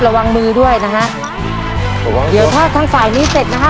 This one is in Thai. ระวังมือด้วยนะฮะระวังเดี๋ยวถ้าทางฝ่ายนี้เสร็จนะฮะ